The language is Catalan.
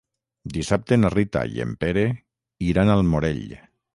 Dissabte na Rita i en Pere iran al Morell.